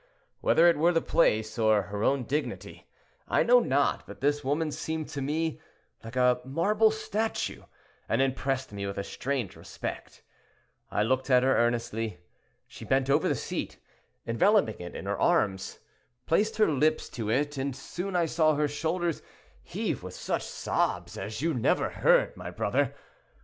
Whether it were the place, or her own dignity, I know not, but this woman seemed to me like a marble statue, and impressed me with a strange respect. I looked at her earnestly. She bent over the seat, enveloping it in her arms, placed her lips to it, and soon I saw her shoulders heave with such sobs as you never heard, my brother.